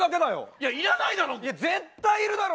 いやいらないだろ！